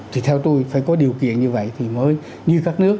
thì theo tôi phải có điều kiện như vậy thì mới như các nước